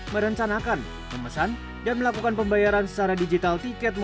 merencanakan memesan dan melakukan pembayaran secara digital tiket moda berbasis kartu